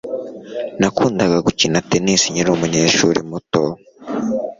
Nakundaga gukina tennis nkiri umunyeshuri muto